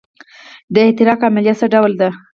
د احتراق عملیه څه ډول ده.